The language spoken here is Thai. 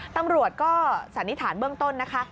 ตำรวจก็สันนิษฐานเบื้องต้นนะคะ